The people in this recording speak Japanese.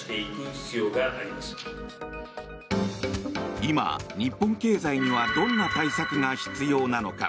今、日本経済にはどんな対策が必要なのか。